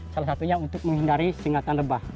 salah satunya untuk menghindari singatan lebah